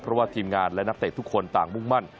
เพราะว่าทีมงานและนักเตะทุกคนต่างมุ่งมั่น